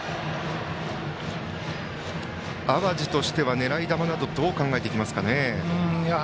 淡路としては狙い球などどう考えますか？